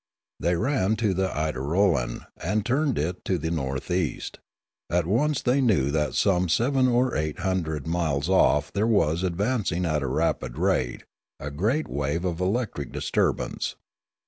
They ran to the idrolan and turned it to the north east; at once they knew that some seven or eight hundred miles off there was advancing at a rapid rate a great wave of electric disturbance.